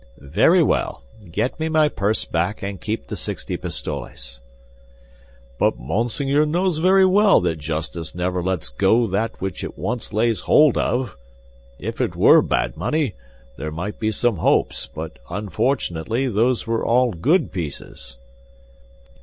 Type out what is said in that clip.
"Very well; get me my purse back and keep the sixty pistoles." "But Monseigneur knows very well that justice never lets go that which it once lays hold of. If it were bad money, there might be some hopes; but unfortunately, those were all good pieces."